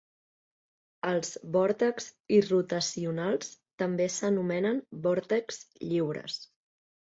Els vòrtexs irrotacionals també s'anomenen "vòrtexs lliures".